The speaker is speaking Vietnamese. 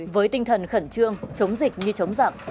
với tinh thần khẩn trương chống dịch như chống giặc